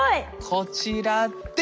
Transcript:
こちらです！